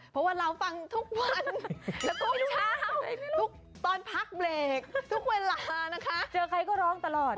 เพราะว่าเราฟังทุกวันแล้วก็ทุกเช้าทุกตอนพักเบรกทุกเวลานะคะเจอใครก็ร้องตลอด